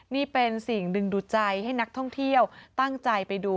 นี่เป็นสิ่งดึงดูดใจให้นักท่องเที่ยวตั้งใจไปดู